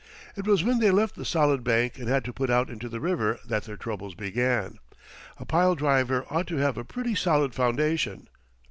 It was when they left the solid bank and had to put out into the river that their troubles began. A pile driver ought to have a pretty solid foundation.